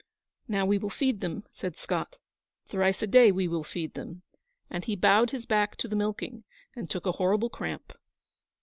'Now we will feed them,' said Scott; 'thrice a day we will feed them'; and he bowed his back to the milking, and took a horrible cramp.